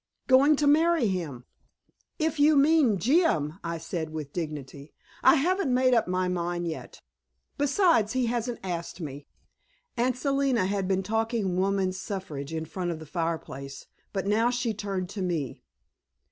"Going to marry him?" "If you mean Jim," I said with dignity, "I haven't made up my mind yet. Besides, he hasn't asked me." Aunt Selina had been talking Woman's Suffrage in front of the fireplace, but now she turned to me.